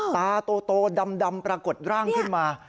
ตาโตดำปรากฏร่างขึ้นมา